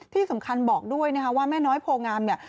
ที่สำคัญบอกด้วยนะคะว่าแม่น้อยโพงามเนี่ย